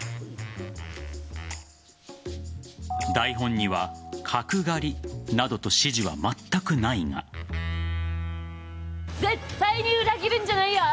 台本には角刈りなどと指示は絶対に裏切るんじゃないよ。